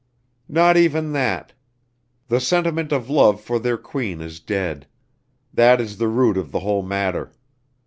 "Not even that. The sentiment of love for their queen is dead. That is the root of the whole matter.